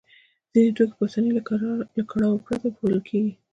ځینې توکي په اسانۍ او له کړاوه پرته پلورل کېږي